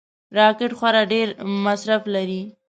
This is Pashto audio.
راکټ خورا ډېر مصرف لري